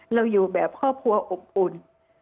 เราอยู่แบบครอบครัวอบอุ่น